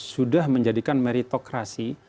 sudah menjadikan meritokrasi